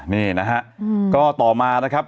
นี่นะครับ